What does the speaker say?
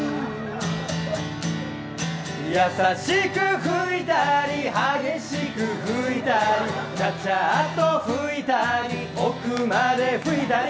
優しく拭いたり激しく拭いたりちゃちゃっと拭いたり奥まで拭いたり。